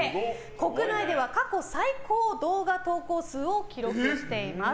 国内では過去最高動画投稿数を記録しています。